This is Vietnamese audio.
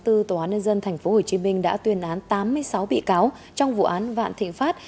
tòa án nhân dân tp hcm đã tuyên án tám mươi sáu bị cáo trong vụ án vạn thịnh pháp